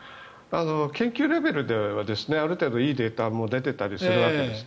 研究レベルではある程度、いいデータも出てたりしているわけです。